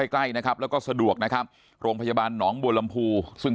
ใกล้นะครับแล้วก็สะดวกนะครับโรงพยาบาลหนองบัวลำพูซึ่ง